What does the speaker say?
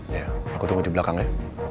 iya aku tunggu di belakang ya